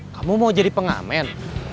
kamu mau jadi pengamen